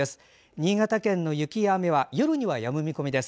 新潟県の雪や雨は夜はやむ見込みです。